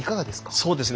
そうですね。